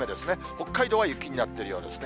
北海道は雪になってるようですね。